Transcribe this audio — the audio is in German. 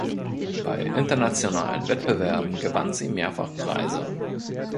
Bei internationalen Wettbewerben gewann sie mehrfach Preise.